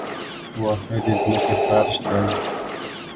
واښه د ځمکې فرش دی